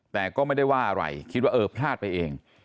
แต่ก็ไม่ได้ว่าอะไรคิดว่าเออพลาดไปเอง